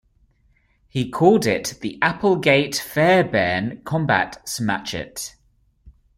He called it the "Applegate-Fairbairn Combat Smatchet".